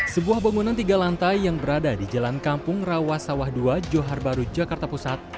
sebuah bangunan tiga lantai yang berada di jalan kampung rawasawah ii johar baru jakarta pusat